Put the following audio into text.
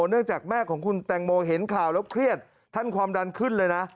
เนื่องจากแม่ของคุณแตงโมเห็นข่าวแล้วเครียดท่านความดันขึ้นเลยนะ